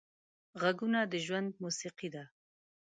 غږونه د ژوند موسیقي ده